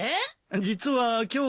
実は今日。